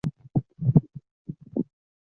宁波市鄞州区图书馆亦附设于此馆。